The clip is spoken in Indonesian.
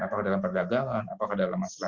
apakah dalam perdagangan apakah dalam masalah